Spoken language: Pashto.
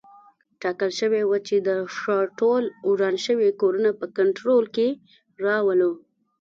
ټاکل شوي وه چې د ښار ټول وران شوي کورونه په کنټرول کې راولو.